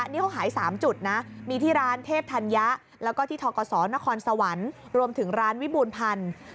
นี่เขาขาย๓จุดนะมีที่ร้านเทพธัญญะแล้วก็ที่ทกศนครสวรรค์รวมถึงร้านวิบูรณพันธุ์